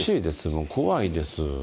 怖いです。